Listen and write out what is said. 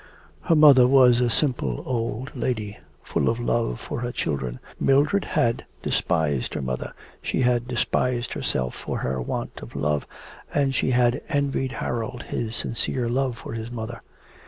Her mother was a simple old lady, full of love for her children, Mildred had despised her mother, she had despised herself for her want of love, and she had envied Harold his sincere love for his mother.